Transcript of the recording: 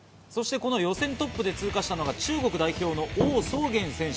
この予選トップで通過したのが中国代表のオウ・ソウゲン選手。